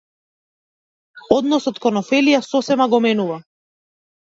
Односот кон Офелија сосема го менува.